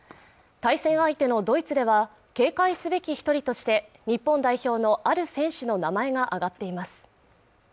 対戦相手のドイツでは警戒すべき一人として日本代表のある選手の名前が挙がっています